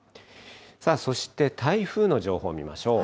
そして、台風の情報を見ましょう。